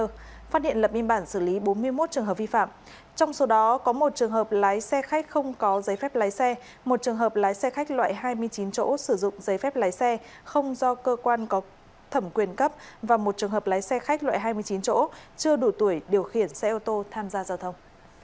phát hiện lập biên bản xử lý bốn mươi một trường hợp vi phạm trong số đó có một trường hợp lái xe khách không có giấy phép lái xe một trường hợp lái xe khách loại hai mươi chín chỗ sử dụng giấy phép lái xe không do cơ quan có thẩm quyền cấp và một trường hợp lái xe khách loại hai mươi chín chỗ chưa đủ tuổi điều khiển xe ô tô tham gia giao thông